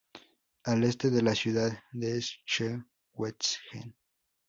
Al este de la ciudad de Schwetzingen.